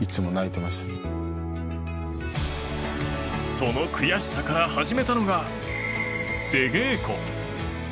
その悔しさから始めたのが出稽古。